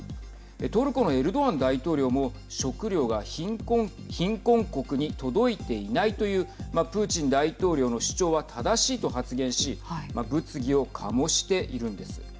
トルコのエルドアン大統領も食料が貧困国に届いていないというプーチン大統領の主張は正しいと発言し物議を醸しているんです。